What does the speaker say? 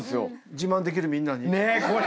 自慢できるみんなに。